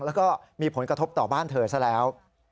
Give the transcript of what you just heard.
แล้วก็มีผลกระทบต่อบ้านเธอซะแล้ว